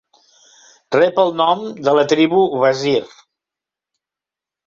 Rep el nom de la tribu Wazir.